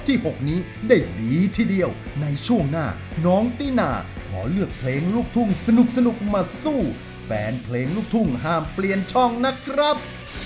๖นี้ได้ดีทีเดียวในช่วงหน้าน้องตินาขอเลือกเพลงลูกทุ่งสนุกมาสู้แฟนเพลงลูกทุ่งห้ามเปลี่ยนช่องนะครับ